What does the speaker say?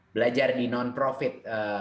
belajar di non profit